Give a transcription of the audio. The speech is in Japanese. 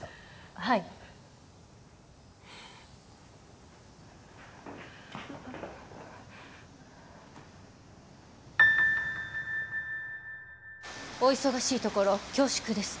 はいお忙しいところ恐縮です